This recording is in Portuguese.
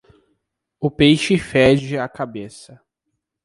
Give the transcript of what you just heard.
O peixe fede a cabeça.